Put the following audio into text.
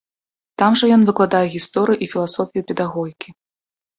Там жа ён выкладае гісторыю і філасофію педагогікі.